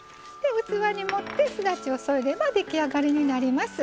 器に盛ってすだちを添えれば出来上がりになります。